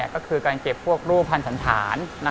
ก็คือการเก็บพวกรูปพันธ์ฐาน